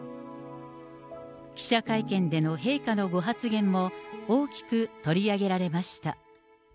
記者会見での陛下のご発言も、大きく取り上げられました。